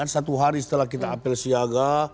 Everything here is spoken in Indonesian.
satu hari setelah kita apel siaga